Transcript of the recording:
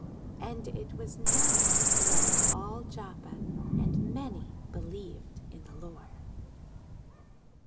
And it was known throughout all Joppa; and many believed in the Lord.